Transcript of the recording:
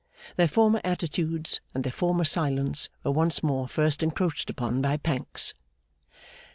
Their former attitudes and their former silence were once more first encroached upon by Pancks.